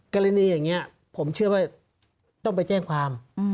กรณีอย่างนี้ผมเชื่อว่าต้องไปแจ้งความ